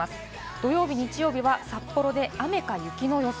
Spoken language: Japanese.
土曜日・日曜日は札幌で雨が雪の予想。